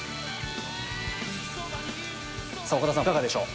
さぁ岡田さんいかがでしょう？